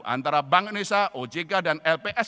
antara bank indonesia ojk dan lps